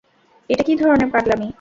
এটা কি ধরনের পাগলামি?